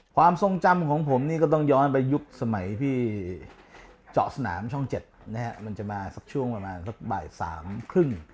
ความทรงจำของผมนี่ก็ต้องย้อนไปยุคสมัยพี่เจาะสนามช่องเจ็ดนะฮะมันจะมาสักช่วงประมาณสักบ่ายสามครึ่ง